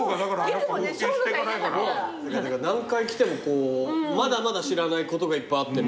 何回来てもこうまだまだ知らないことがいっぱいあってね。